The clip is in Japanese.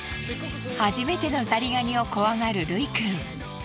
初めてのザリガニを怖がるルイくん。